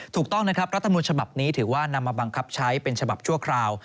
ถูกต้องนะครับรัฐมนต์ฉบับนี้ถือว่านำมาบังคับใช้เป็นฉบับชั่วคราว